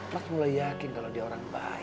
mak mulai yakin kalau dia orang baik